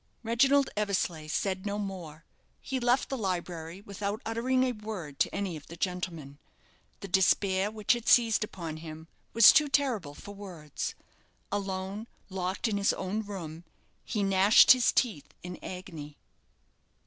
Reginald Eversleigh said no more. He left the library without uttering a word to any of the gentlemen. The despair which had seized upon him was too terrible for words. Alone, locked in his own room, he gnashed his teeth in agony.